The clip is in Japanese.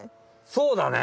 そうだね！